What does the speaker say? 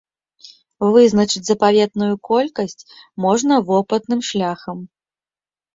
Вызначыць запаветную колькасць можна вопытным шляхам.